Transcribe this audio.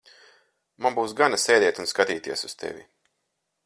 Man būs gana sēdēt un skatīties uz tevi.